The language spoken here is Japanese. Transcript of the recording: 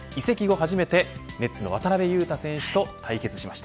初めてネッツの渡邊雄太選手と対決しました。